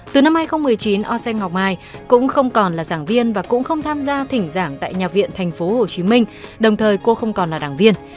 từ năm hai nghìn một mươi chín ocean ngọc mai cũng không còn là giảng viên và cũng không tham gia thỉnh giảng tại nhà viện tp hcm đồng thời cô không còn là đảng viên